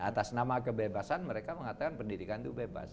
atas nama kebebasan mereka mengatakan pendidikan itu bebas